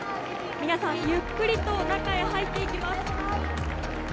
皆さん、ゆっくりと中へ入っていきます。